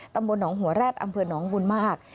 ตำบลหนองหัวแร็ดอำเภอหนองบุญมาก